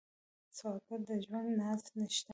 سوالګر د ژوند ناز نشته